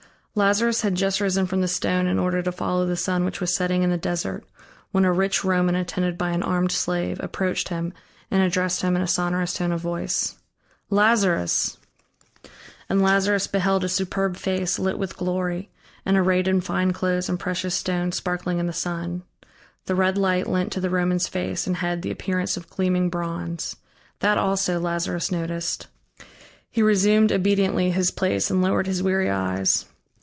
Lazarus had just risen from the stone in order to follow the sun which was setting in the desert, when a rich Roman attended by an armed slave, approached him and addressed him in a sonorous tone of voice: "Lazarus!" And Lazarus beheld a superb face, lit with glory, and arrayed in fine clothes, and precious stones sparkling in the sun. The red light lent to the Roman's face and head the appearance of gleaming bronze that also Lazarus noticed. He resumed obediently his place and lowered his weary eyes.